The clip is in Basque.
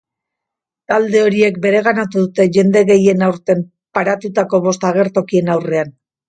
Talde horiek bereganatu dute jende gehien aurten paratutako bost agertokien aurrean.